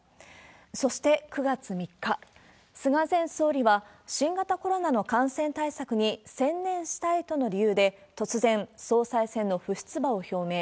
そして、９月３日、菅前総理は新型コロナの感染対策に専念したいとの理由で、突然、総裁選の不出馬を表明。